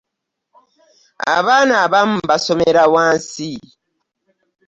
Abaana abamu basomera wansi.